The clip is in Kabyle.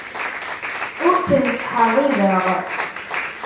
Ur ten-ttḥeṛṛibeɣ.